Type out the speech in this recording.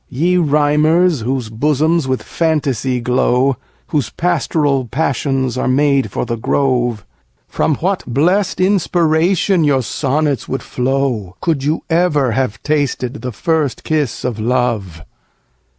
2. Ye rhymers, whose bosoms with fantasy glow, Whose pastoral passions are made for the grove; From what blest inspiration your sonnets would flow, Could you ever have tasted the first kiss of love.